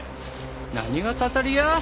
何がたたりや！